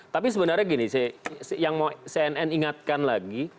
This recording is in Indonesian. tapi sebenarnya gini yang mau cnn ingatkan lagi